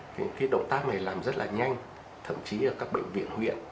cái động tác này làm rất là nhanh thậm chí ở các bệnh viện huyện